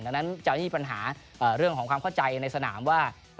ดังนั้นจะมีปัญหาเรื่องของความเข้าใจในสนามว่า